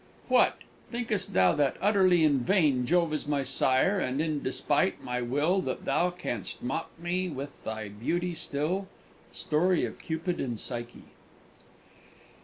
_ "What! thinkest thou that utterly in vain Jove is my sire, and in despite my will That thou canst mock me with thy beauty still?" _Story of Cupid and Psyche.